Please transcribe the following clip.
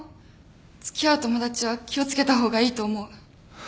付き合う友達は気を付けた方がいいと思う。